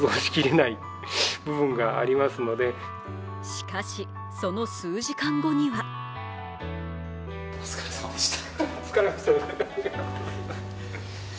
しかし、その数時間後にはお疲れ様でした。